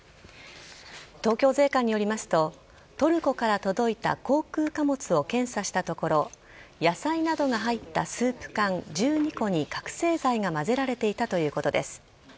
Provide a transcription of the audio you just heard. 東京税関によりますとトルコから届いた航空貨物を検査したところ野菜などが入ったスープ缶１２個に覚醒剤が混ぜられていたということです。